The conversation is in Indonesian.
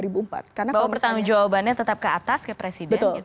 bahwa pertanggung jawabannya tetap ke atas kepresiden